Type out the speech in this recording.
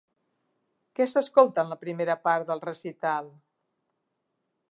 Què s'escolta en la primera part del recital?